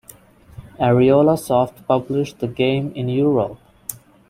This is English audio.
Ariolasoft published the game in Europe.